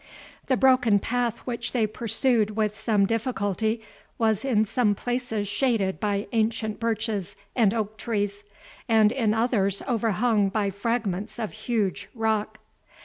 The broken path which they pursued with some difficulty, was in some places shaded by ancient birches and oak trees, and in others overhung by fragments of huge rock.